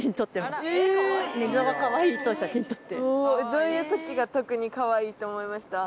どういう時が特にかわいいと思いました？